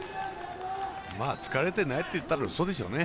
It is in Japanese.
疲れてないっていったらうそでしょうね。